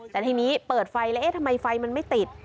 แต่ทีนี้เปิดไฟแล้วเอ๊ะทำไมไฟมันไม่ติด